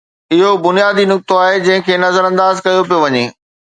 اهو بنيادي نقطو آهي جنهن کي نظرانداز ڪيو پيو وڃي.